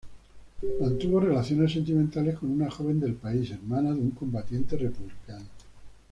Mantuvo relaciones sentimentales con una joven del país, hermana de un combatiente republicano.